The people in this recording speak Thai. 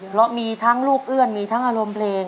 เพราะมีทั้งลูกเอื้อนมีทั้งอารมณ์เพลง